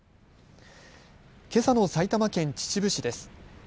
けさの埼玉県秩父市です。